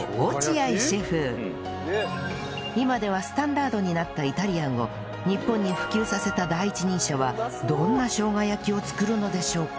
今ではスタンダードになったイタリアンを日本に普及させた第一人者はどんなしょうが焼きを作るのでしょうか？